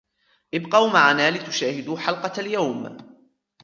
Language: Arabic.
ابقوا معنا لتشاهدوا حلقة اليوم.